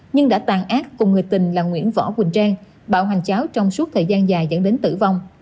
nhưng đã tàn ác cùng người tình là nguyễn võ quỳnh trang bạo hành cháu trong suốt thời gian dài dẫn đến tử vong